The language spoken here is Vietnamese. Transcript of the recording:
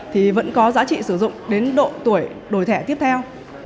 thì vẫn có giá trị sử dụng đến độ tuổi đổi thẻ tiếp theo